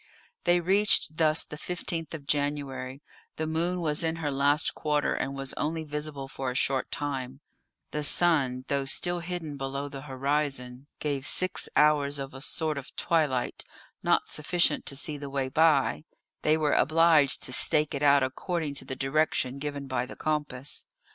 They reached thus the 15th of January; the moon was in her last quarter, and was only visible for a short time; the sun, though still hidden below the horizon, gave six hours of a sort of twilight, not sufficient to see the way by; they were obliged to stake it out according to the direction given by the compass.